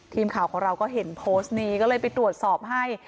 ทีมข่าวของเราก็เห็นโพสต์นี้ก็เลยไปตรวจสอบให้